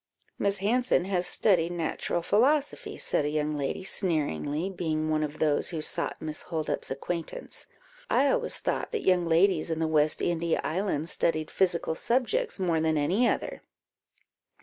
"Miss Hanson has studied natural philosophy," said a young lady, sneeringly, being one of those who sought Miss Holdup's acquaintance. "I always thought that young ladies in the West India islands studied physical subjects more than any other."